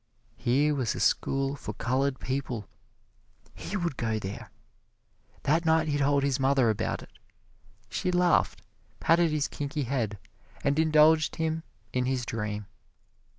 Here was a school for colored people he would go there! That night he told his mother about it. She laughed, patted his kinky head, and indulged him in his dream.